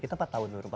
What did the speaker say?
kita empat tahun dulu